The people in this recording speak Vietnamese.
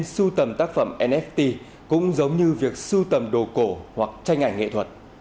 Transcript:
sưu tầm tác phẩm nft cũng giống như việc sưu tầm đồ cổ hoặc tranh ảnh nghệ thuật